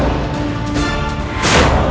selamat tinggal puteraku